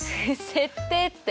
設定って。